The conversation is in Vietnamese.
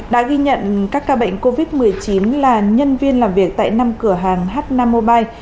đã ghi nhận các ca bệnh covid một mươi chín là nhân viên làm việc tại năm cửa hàng h năm mobile